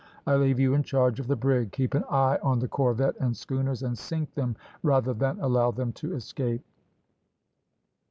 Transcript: I leave you in charge of the brig. Keep an eye on the corvette and schooners, and sink them rather than allow them to escape."